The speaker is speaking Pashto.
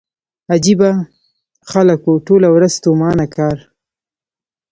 عجيبه خلک وو ټوله ورځ ستومانه کار.